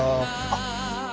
あっ。